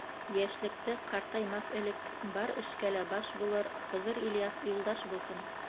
Йәшлекте — ҡартаймаҫ элек, Бар эшкә лә баш булыр, Хызыр Ильяс юлдаш булһын!